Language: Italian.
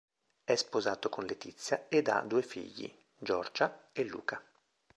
È sposato con Letizia ed ha due figli: Giorgia e Luca.